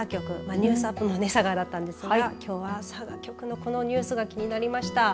ニュースアップも佐賀だったんですがきょうは佐賀局のこのニュースが気になりました。